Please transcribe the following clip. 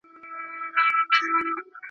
اوس مو د زلمو مستي له وخته سره ژاړي